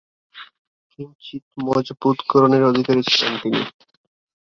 কিঞ্চিৎ মজবুত গড়নের অধিকারী ছিলেন তিনি।